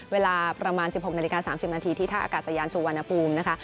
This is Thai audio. เวลาประมาณ๑๖นาฬิกา๓๐นาทีที่ท่าอากาศยานสุวรรณภูมินะคะ